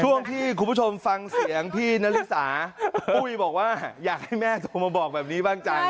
ช่วงที่คุณผู้ชมฟังเสียงพี่นาริสาปุ้ยบอกว่าอยากให้แม่โทรมาบอกแบบนี้บ้างจัง